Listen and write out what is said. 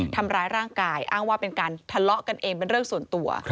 ทำร้ายร่างกายอ้างว่าเป็นการทะเลาะกันเองเป็นเรื่องส่วนตัว